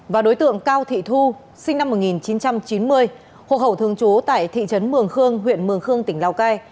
và đối tượng cao thị thu sinh năm một nghìn chín trăm chín mươi hộ khẩu thường trú tại thị trấn mường khương huyện mường khương tỉnh lào cai